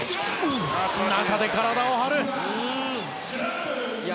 中で体を張った！